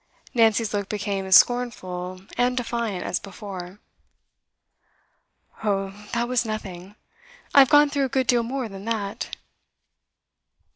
Nancy's look became as scornful and defiant as before. 'Oh, that was nothing. I've gone through a good deal more than that.